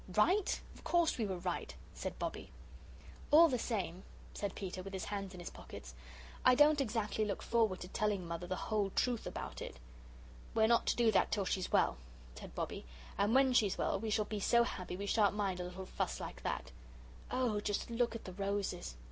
"Right? Of course we were right," said Bobbie. "All the same," said Peter, with his hands in his pockets, "I don't exactly look forward to telling Mother the whole truth about it." "We're not to do it till she's well," said Bobbie, "and when she's well we shall be so happy we shan't mind a little fuss like that. Oh, just look at the roses!